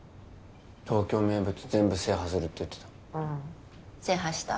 東京名物全部制覇するって言ってたうん制覇した？